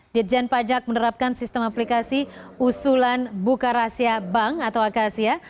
ditjen pajak menerapkan sistem aplikasi usulan buka rahasia bank atau akasia